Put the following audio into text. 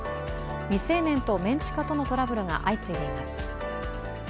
未成年とメン地下とのトラブルが相次いでいます。